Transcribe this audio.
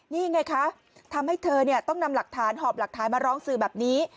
นี่ไงคะทำให้เธอต้องนำหลักฐานหอบหลักฐานมาร้องสื่อแบบนี้